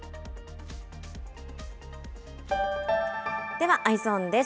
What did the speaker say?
ではＥｙｅｓｏｎです。